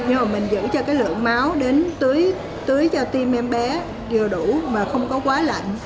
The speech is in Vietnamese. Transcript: nhưng mà mình giữ cho cái lượng máu đến tưới cho tim em bé vừa đủ mà không có quá lạnh